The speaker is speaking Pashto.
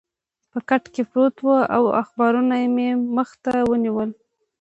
په کټ کې پروت وم او اخبارونه مې مخې ته ونیول.